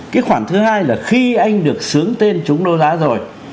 cái khoản thứ hai là khi anh được xướng tên trúng đấu giá rồi